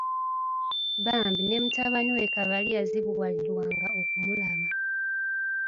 Bambi ne mutabani we Kabali yazibuwalirwanga okumulaba.